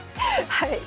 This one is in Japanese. はい。